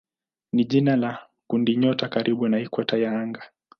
ni jina la kundinyota karibu na ikweta ya anga.